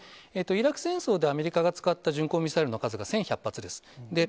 イラク戦争でアメリカが使った巡航ミサイルの数が１１００発です。